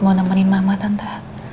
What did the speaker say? mau nemenin mama tante